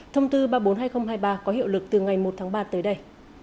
thông tư ba trăm bốn mươi hai nghìn hai mươi ba có hiệu lực từ ngày một tháng ba tới đây